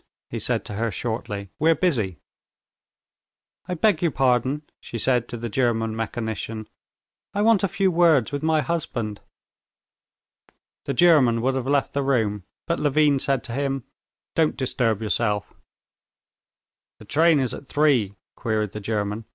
he said to her shortly. "We are busy." "I beg your pardon," she said to the German mechanician; "I want a few words with my husband." The German would have left the room, but Levin said to him: "Don't disturb yourself." "The train is at three?" queried the German.